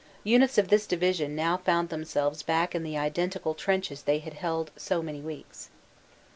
Units of this division now found themselves back in the identical trenches they had held so many weeks.